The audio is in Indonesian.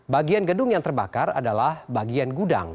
bagian gedung yang terbakar adalah bagian gudang